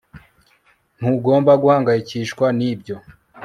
ntugomba guhangayikishwa nibyo